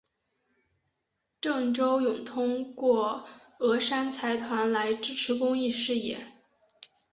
郑周永通过峨山财团来支持公益事业。